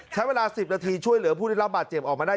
ใช้เวลา๑๐นาทีช่วยเหลือผู้ได้รับบาดเจ็บออกมาได้